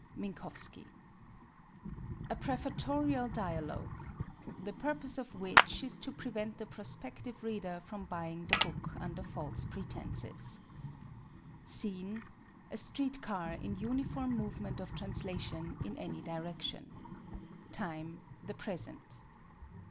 — Minkowski. A PREFATORIAL DIALOGUE (The Purpose of which is to Prevent the Prospective Reader from buying the Book under False Pretenses) Scene: A street car in uniform movement of trans lation in any direction. Time : The present.